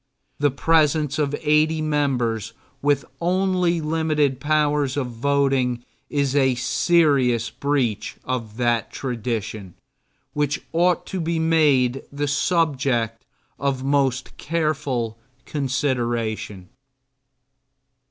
The presence of eighty members with only limited powers of voting is a serious breach of that tradition, which ought to be made the subject of most careful consideration.